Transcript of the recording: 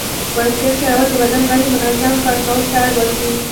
بایسکل چلول د بدن غړي منظم کار کولو ته اړ باسي.